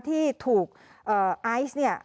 ที่ถูกไอซ์สัดทอดมา